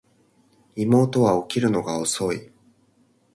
妹は起きるのが遅い